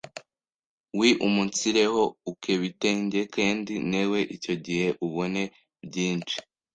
wiumunsireho ukebitenge kendi newe icyo gihe ubone byinshi